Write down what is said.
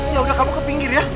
ya udah kamu ke pinggir ya